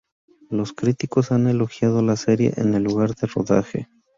Los críticos han elogiado la serie en el lugar de rodaje.